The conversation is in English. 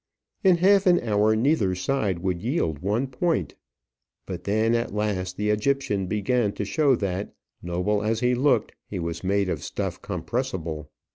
In half an hour neither side would yield one point; but then at last the Egyptian began to show that, noble as he looked, he was made of stuff compressible.